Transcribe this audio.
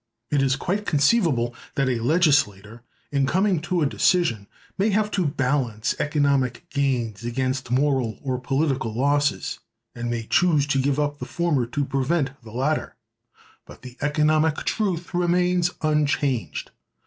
It is quite conceivable that a legislator, in coming to a decision, may have to balance economic gains against moral or political losses, and may choose to give up the former to prevent the latter. But the economic truth remains unchanged.